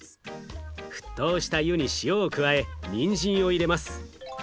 沸騰した湯に塩を加えにんじんを入れます。